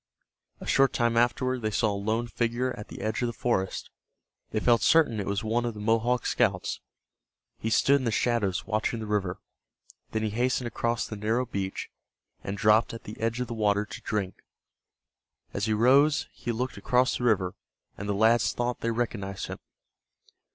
A short time afterward they saw a lone figure at the edge of the forest. They felt certain it was one of the Mohawk scouts. He stood in the shadows watching the river. Then he hastened across the narrow beach, and dropped at the edge of the water to drink. As he rose he looked across the river, and the lads thought they recognized him.